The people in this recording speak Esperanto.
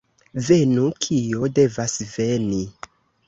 Venu, kio devas veni!